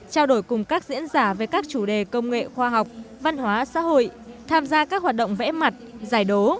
trao đổi cùng các diễn giả về các chủ đề công nghệ khoa học văn hóa xã hội tham gia các hoạt động vẽ mặt giải đấu